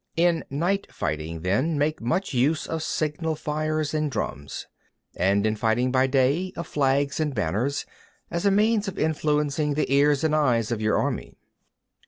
26. In night fighting, then, make much use of signal fires and drums, and in fighting by day, of flags and banners, as a means of influencing the ears and eyes of your army.